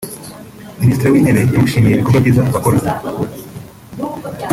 Minisitiri w’Intebe yamushimiye ibikorwa byiza bakora